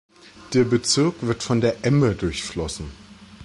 Der Bezirk wird von der Emme durchflossen.